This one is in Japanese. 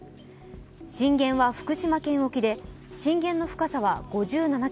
震源は福島県沖で震源の深さは５７ｋｍ。